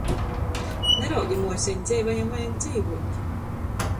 Naraudi, muoseņ, dzeivajam vajag dzeivuot!